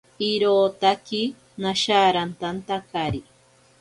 Irotaki nasharantantakari.